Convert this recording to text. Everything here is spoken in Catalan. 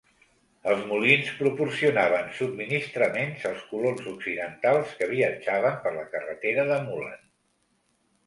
Els molins proporcionaven subministraments als colons occidentals que viatjaven per la carretera de Mullan.